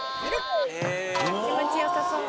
気持ちよさそう！